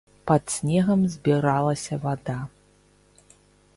Пад снегам збіралася вада.